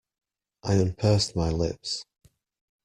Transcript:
I unpursed my lips.